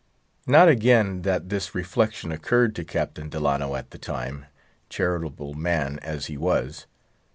Not again that this reflection occurred to Captain Delano at the time, charitable man as he was.